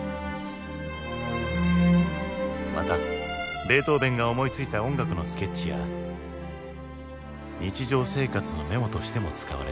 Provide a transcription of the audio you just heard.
またベートーヴェンが思いついた音楽のスケッチや日常生活のメモとしても使われていた。